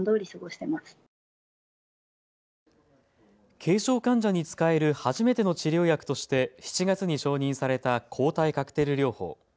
軽症患者に使える初めての治療薬として７月に承認された抗体カクテル療法。